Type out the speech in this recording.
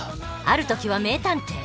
ある時は名探偵。